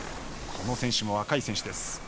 この選手も若い選手です。